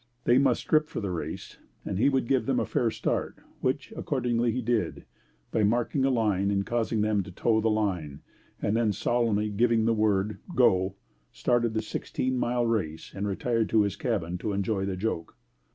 They must strip for the race and he would give them a fair start, which accordingly he did, by marking a line and causing them to toe the line, and then solemnly giving the word "Go" started the sixteen mile race and retired to his cabin to enjoy the joke.